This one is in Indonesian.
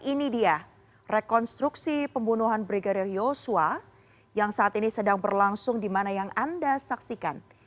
ini dia rekonstruksi pembunuhan brigadir yosua yang saat ini sedang berlangsung di mana yang anda saksikan